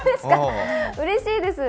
うれしいです。